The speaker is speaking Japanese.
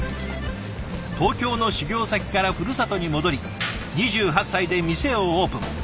東京の修業先からふるさとに戻り２８歳で店をオープン。